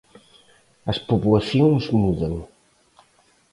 As poboacións mudan.